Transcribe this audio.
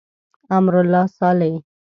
امرالله صالح.